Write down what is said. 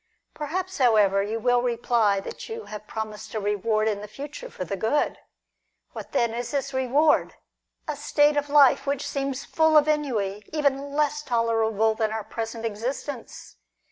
"Perhaps, however, you will reply that you have promised a reward in the future for the good. What then is this reward ? A state of life which seems full of ennui, even less tolerable than our present existence